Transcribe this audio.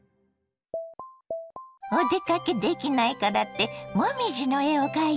お出かけできないからって紅葉の絵を描いてくれたのね。